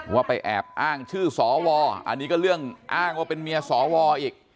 ว่าไปแอบอ้างชื่อสวอันนี้ก็เรื่องอ้างว่าเป็นเมียสวอีก